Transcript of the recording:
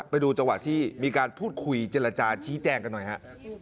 ไปดูจังหวะที่มีการพูดคุยเจรจาชี้แจงกันหน่อยฮะ